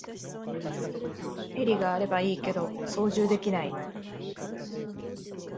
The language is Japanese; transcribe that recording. ヘリがあればいいけど操縦できない